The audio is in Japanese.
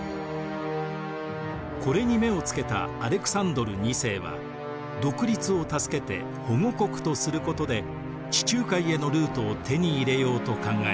これに目をつけたアレクサンドル２世は独立を助けて保護国とすることで地中海へのルートを手に入れようと考えます。